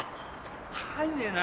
入んねえな。